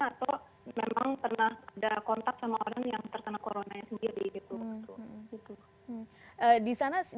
atau memang pernah ada kontak sama orang yang terkena coronanya sendiri gitu